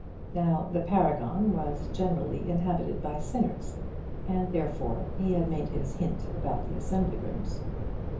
Now the Paragon was generally inhabited by sinners, and therefore he had made his hint about the assembly rooms.